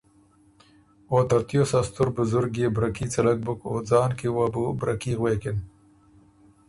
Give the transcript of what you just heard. او ترتیوس ا ستُر بزرګ يې بره کي څلک بُک او ځان کی وه بو بره کي غوېکِن۔